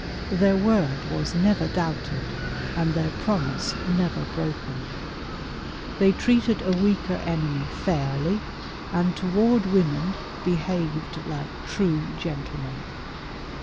Their word was never doubted and their promise never broken. They treated a weaker enemy fairly, and toward women behaved like true gentlemen.